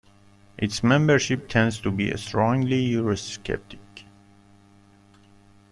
Its membership tends to be strongly Eurosceptic.